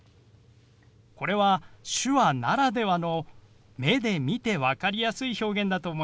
これは手話ならではの目で見て分かりやすい表現だと思います。